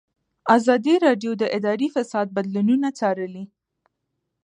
ازادي راډیو د اداري فساد بدلونونه څارلي.